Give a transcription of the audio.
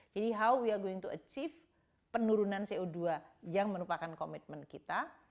jadi how we are going to achieve penurunan co dua yang merupakan commitment kita